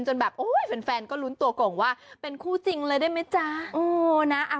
จนแบบโอ้ยแฟนก็ลุ้นตัวโก่งว่าเป็นคู่จริงเลยได้ไหมจ๊ะ